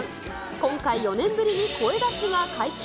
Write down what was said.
今回４年ぶりに声出しが解禁。